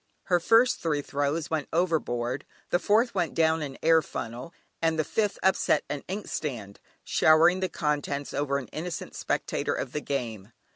Her first three throws went overboard, the fourth went down an air funnel, and the fifth upset an ink stand, showering the contents over an innocent spectator of the game.